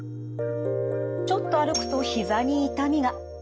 ちょっと歩くとひざに痛みが。